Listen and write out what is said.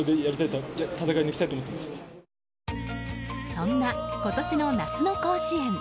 そんな今年の夏の甲子園。